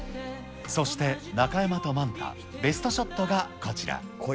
そして中山とマンタ、ベストショットがこちら。